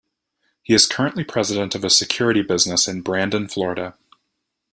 He is currently President of a security business in Brandon, Florida.